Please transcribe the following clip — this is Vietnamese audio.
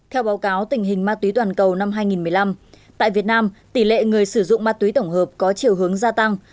theo báo cáo tình hình ma túy toàn cầu năm hai nghìn một mươi năm tại việt nam tỷ lệ người sử dụng ma túy tổng hợp có chiều hướng gia tăng